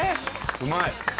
うまい。